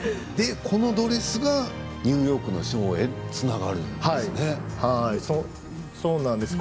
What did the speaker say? このドレスがニューヨークのショーへそうなんです。